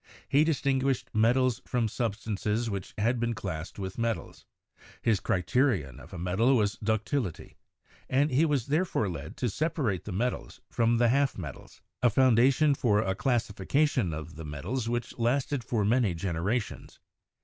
He dis tinguished metals from substances which had been classed with metals ; his criterion of a metal was ductility, and he was therefore led to separate the metals from the half metals — a foundation for a classification of the metals which lasted for many generations.